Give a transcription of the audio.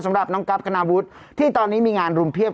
สำหรับน้องกั๊บคณาวุฒิที่ตอนนี้มีงานรุมเพียบ